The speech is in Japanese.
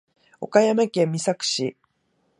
岡山県美作市